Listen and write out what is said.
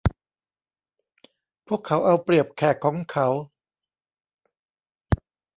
พวกเขาเอาเปรียบแขกของเขา